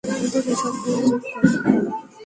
তোর হিসাব ভুল, চেক কর।